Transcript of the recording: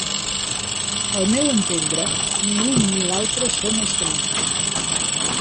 Al meu entendre, ni l'un ni l'altre són els camins.